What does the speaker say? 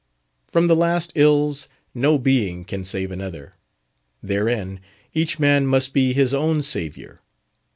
From the last ills no being can save another; therein each man must be his own saviour.